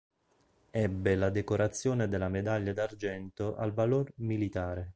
Ebbe la decorazione della medaglia d'argento al valor militare.